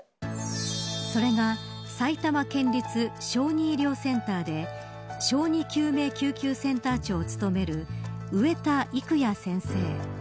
それが埼玉県立小児医療センターで小児救命救急センター長を務める植田育也先生。